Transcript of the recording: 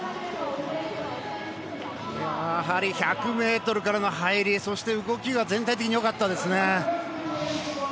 やはり１００ｍからの入りそして動きが全体的によかったですね。